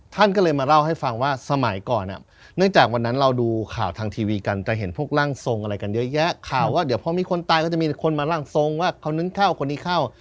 ท่านก็เลยมาเล่าให้ฟังว่าสมัยก่อนเนื่องจากวันนั้นเราดูข่าวทางทีวีกันจะเห็นพวกร่างทรงอะไรกันเยอะแยะข่าวว่าเดี๋ยวพอมีคนตายก็จะมีคนมาร่างทรงว่าเขานึงเข้าคนนี้เข้า